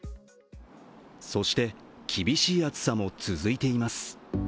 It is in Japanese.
そして厳しい暑さも続いています。